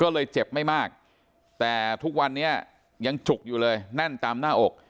ก็เลยเจ็บไม่มากแต่ทุกวันนี้ยังจุกอยู่เลยแน่นตามหน้าอก